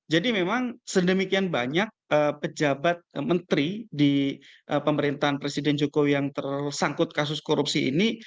jadi memang sedemikian banyak pejabat menteri di pemerintahan presiden jokowi yang tersangkut kasus korupsi ini